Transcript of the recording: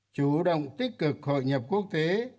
chủ động tích cực hội nhập quốc tế